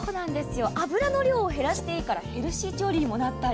油の量を減らしていいからヘルシー調理になったり。